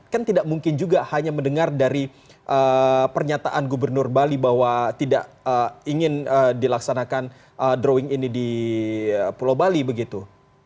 kan tidak mungkin juga hanya mendengar dari pernyataan gubernur bali bahwa tidak ingin dilaksanakan drawing ini di pulau bali begitu